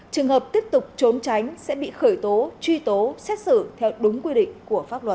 trường hợp tiếp tục trốn tránh sẽ bị khởi tố truy tố xét xử theo đúng quy định của pháp luật